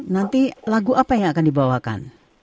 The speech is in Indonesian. nanti lagu apa yang akan dibawakan